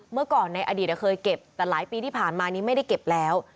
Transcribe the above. เมื่อก่อนในอดีตเคยเก็บแต่หลายปีที่ผ่านมานี้ไม่ได้เก็บแล้ว